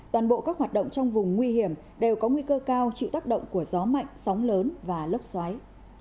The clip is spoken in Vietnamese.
toàn bộ các hoạt động trong vùng nguy hiểm đều có nguy cơ cao chịu tác động của gió mạnh sóng lớn và lốc xoáy